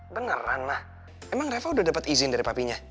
beneran ma emang reva udah dapet izin dari papinya